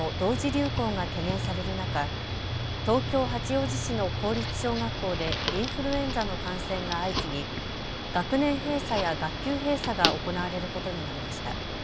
流行が懸念される中、東京八王子市の公立小学校でインフルエンザの感染が相次ぎ、学年閉鎖や学級閉鎖が行われることになりました。